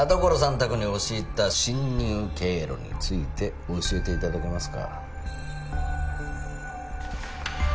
宅に押し入った侵入経路について教えていただけますか？